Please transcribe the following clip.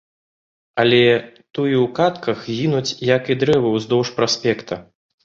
Але туі ў кадках гінуць, як і дрэвы ўздоўж праспекта.